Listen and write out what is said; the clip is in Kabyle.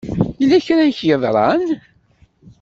Yella kra i ak-yeḍran?